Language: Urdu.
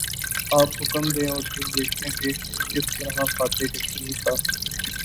آپ حکم دیں اور پھر دیکھیں کہ کس طرح فاتح کشمیر کا